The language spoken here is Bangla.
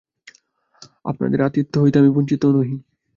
আপনাদের আতিথ্য হইতে আমি বঞ্চিত নহি।